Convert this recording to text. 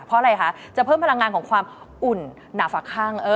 เพราะอะไรคะจะเพิ่มพลังงานของความอุ่นหนาฝักข้าง